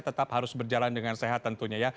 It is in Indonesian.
tetap harus berjalan dengan sehat tentunya ya